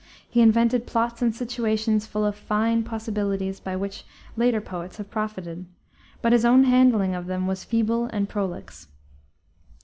He invented plots and situations full of fine possibilities by which later poets have profited, but his own handling of them was feeble and prolix.